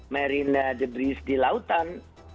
marina debris di lautan